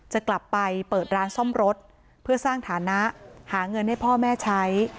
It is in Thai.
จะกลับไปเปิดร้านซ่อมรถเพื่อสร้างฐานะหาเงินให้พ่อแม่ใช้